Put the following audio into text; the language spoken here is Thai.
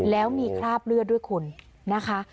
แล้วมีคราบเลือดด้วยคุณนะคะ